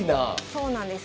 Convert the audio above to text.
そうなんです。